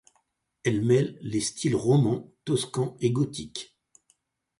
Elle mêle les styles roman toscan et gothique.